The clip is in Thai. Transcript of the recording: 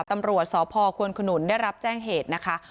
ตำรวจสพควนขนุนได้รับแจ้งเหตุนะคะ